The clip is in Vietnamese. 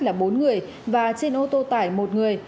là bốn người và trên ô tô tải một người